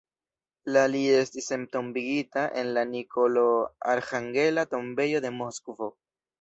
La li estis entombigita en la Nikolo-Arĥangela tombejo de Moskvo.